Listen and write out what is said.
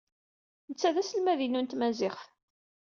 Netta d aselmad-inu n tmaziɣt.